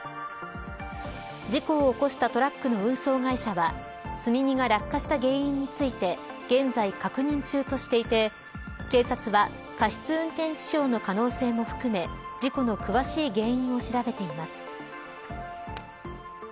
事故を起こしたトラックの運送会社は積み荷が落下した原因について現在、確認中としていて警察は過失運転致傷の可能性も含め事故の詳しい原因を調べています。